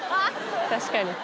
確かに。